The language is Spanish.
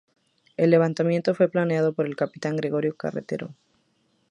El levantamiento fue planeado por el capitán Gregorio Carretero.